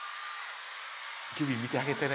ギュビン見てあげてね